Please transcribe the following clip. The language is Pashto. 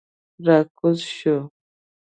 را کوز شوو.